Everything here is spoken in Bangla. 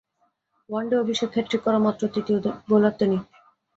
ওয়ানডে অভিষেকে হ্যাটট্রিক করা মাত্র তৃতীয় বোলার তিনি।